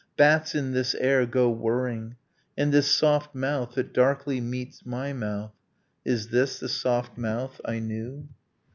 Bats in this air go whirring. ... And this soft mouth that darkly meets my mouth, Is this the soft mouth I knew?